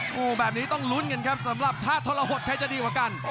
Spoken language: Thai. โอ้โหแบบนี้ต้องลุ้นกันครับสำหรับถ้าทรหดใครจะดีกว่ากัน